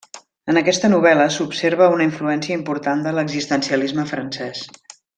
En aquesta novel·la s'observa una influència important de l'existencialisme francès.